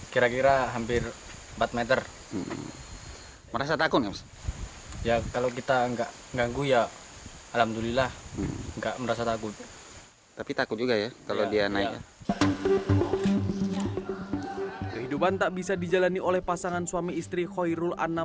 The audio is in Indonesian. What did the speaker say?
kehidupan tak bisa dijalani oleh pasangan suami istri khairul anna